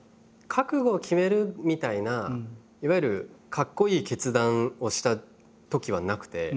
覚悟を決めるみたいないわゆるかっこいい決断をしたときはなくて。